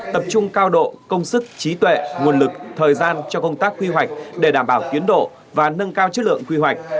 tập trung cao độ công sức trí tuệ nguồn lực thời gian cho công tác quy hoạch để đảm bảo tiến độ và nâng cao chất lượng quy hoạch